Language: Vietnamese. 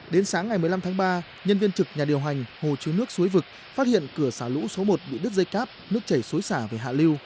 đến sáng ngày một mươi năm tháng ba nhân viên trực nhà điều hành hồ chứa nước suối vực phát hiện cửa xả lũ số một bị đứt dây cáp nước chảy xối xả về hạ lưu